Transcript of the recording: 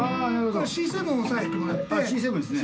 Ｃ７押さえてもらって・Ｃ７ですね。